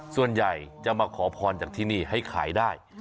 ส่วนใหญ่จะมาขอพรจากที่นี่ให้ขายได้